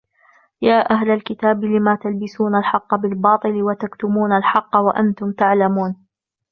يَا أَهْلَ الْكِتَابِ لِمَ تَلْبِسُونَ الْحَقَّ بِالْبَاطِلِ وَتَكْتُمُونَ الْحَقَّ وَأَنْتُمْ تَعْلَمُونَ